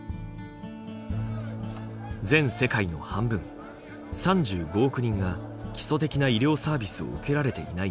全世界の半分３５億人が基礎的な医療サービスを受けられていない